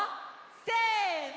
せの。